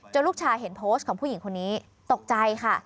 ลูกชายเห็นโพสต์ของผู้หญิงคนนี้ตกใจค่ะ